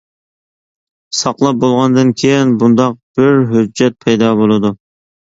ساقلاپ بولغاندىن كىيىن بۇنداق بىر ھۆججەت پەيدا بولىدۇ.